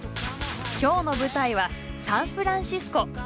今日の舞台はサンフランシスコ。